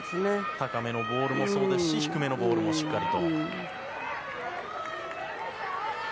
高めのボールもそうですし低めのボールもしっかりと。